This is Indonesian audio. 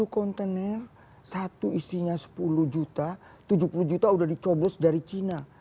tujuh kontainer satu istinya sepuluh juta tujuh puluh juta udah dicobos dari cina